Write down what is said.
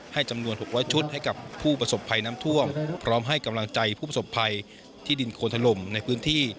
จำนวน๖๐๐ชุดให้กับผู้ประสบภัยน้ำท่วมพร้อมให้กำลังใจผู้ประสบภัยที่ดินโคนถล่มในพื้นที่